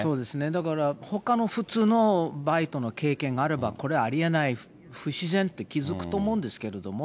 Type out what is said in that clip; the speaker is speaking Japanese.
だからほかの普通のバイトの経験があれば、これ、ありえない、不自然って気付くと思うんですけれども。